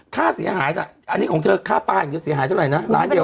ค้าเสียหายด้วยค่าใบก็เสียหายได้ไหมล้านเดียว